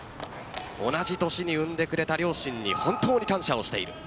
同じ年に産んでくれた両親に本当に感謝をしている。